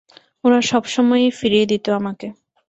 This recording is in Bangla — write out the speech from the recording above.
ওরা সবসময়েই ফিরিয়ে দিত আমাকে।